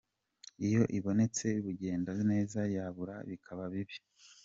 Iyo ibonetse bugenda neza, yabura bikaba bibi.